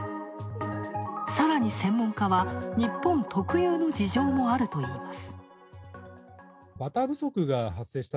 さらに専門家は、日本特有の事情もあるといいます。